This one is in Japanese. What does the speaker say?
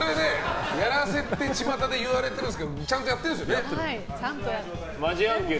やらせってちまたで言われてるんですけどちゃんとやってますよね。